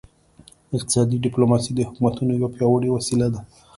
اقتصادي ډیپلوماسي د حکومتونو یوه پیاوړې وسیله ده